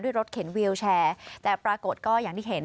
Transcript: รถเข็นวิวแชร์แต่ปรากฏก็อย่างที่เห็น